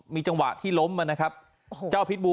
มีภาพจากกล้อมรอบหมาของเพื่อนบ้าน